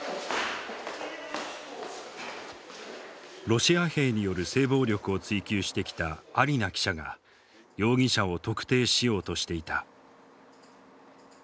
ロシア兵による性暴力を追及してきたアリナ記者が容疑者を特定しようとしていた。